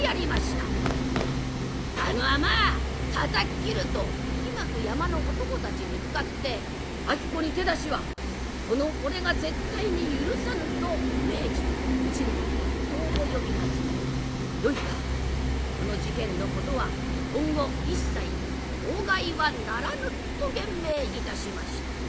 「あのあまたたっ切る！」といきまく山の男たちに向かって「子に手出しはこの俺が絶対に許さぬ」と命じ一門一党を呼び集め「よいかこの事件のことは今後一切口外はならぬ」と厳命いたしました。